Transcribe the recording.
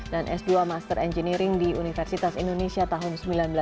dan s dua master engineering di universitas indonesia tahun seribu sembilan ratus sembilan puluh enam